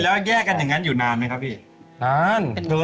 แล้วแยกกันอย่างนั้นอยู่นานไหมครับพี่นาน